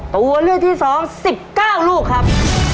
ตัวเลือกที่๒๑๙ลูกครับ